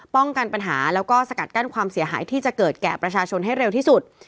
ป้องกันปัญหาแล้วก็สกัดกั้นความเสียหายที่จะเกิดแก่ประชาชนให้เร็วที่สุด